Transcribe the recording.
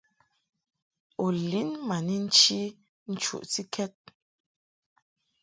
U lin ma ni nchi nchuʼtikɛd.